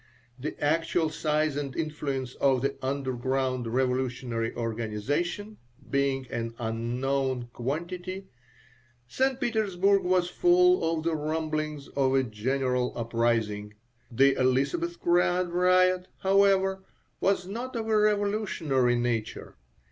The actual size and influence of the "underground" revolutionary organization being an unknown quantity, St. Petersburg was full of the rumblings of a general uprising. The Elisabethgrad riot, however, was not of a revolutionary nature.